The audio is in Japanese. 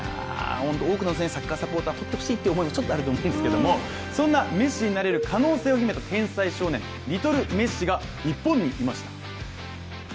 多くのサッカーサポーターとってほしいという思いがあると思いますがそんなメッシになれる可能性を秘めた天才少年・リトルメッシが日本にいました。